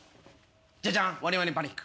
じゃじゃんワニワニパニック。